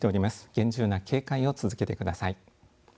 厳重な警戒を続けてください。